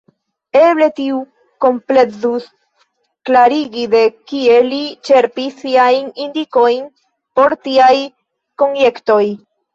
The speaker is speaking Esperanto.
Eble tiu komplezus klarigi, de kie li ĉerpis siajn indikojn por tiaj konjektoj.